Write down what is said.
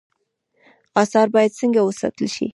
آثار باید څنګه وساتل شي؟